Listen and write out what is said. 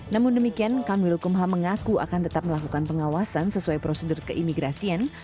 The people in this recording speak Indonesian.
namun demikian kamil kumham mengaku akan tetap melakukan pengawasan sesuai prosedur keimigrasian